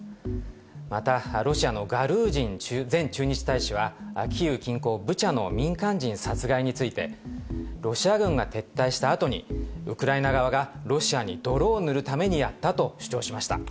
また、ロシアのガルージン前駐日大使はキーウ近郊ブチャの民間人殺害について、ロシア軍が撤退したあとに、ウクライナ側がロシアに泥を塗るためにやったと主張しました。